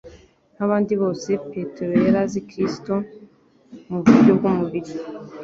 Nk'abandi bose, Petero yari azi Kristo mu buryo bw'umubiri,